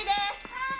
はい！